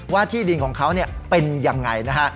ที่ดินของเขาเป็นยังไงนะฮะ